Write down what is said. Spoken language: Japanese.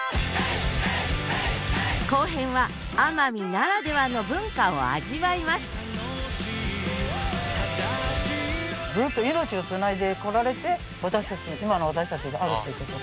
後編は奄美ならではの文化を味わいますずっと命をつないでこられて私たち今の私たちがあるっていうこと。